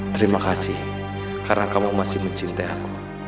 terima kasih karena kamu masih mencintai aku